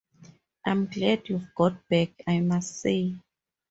I’m glad you’ve got back, I must say.